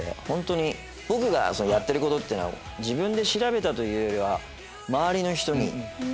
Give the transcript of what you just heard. ホントに僕がやってることっていうのは自分で調べたというよりは。